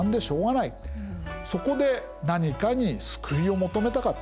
そこで何かに救いを求めたかった。